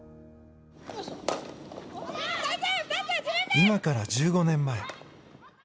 今から１５年前。